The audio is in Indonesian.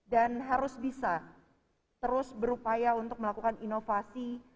dan harus bisa terus berupaya untuk melakukan inovasi